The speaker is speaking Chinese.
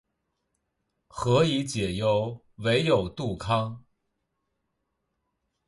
何以解忧，唯有杜康